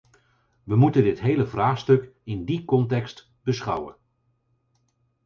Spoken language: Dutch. We moeten dit hele vraagstuk in die context beschouwen.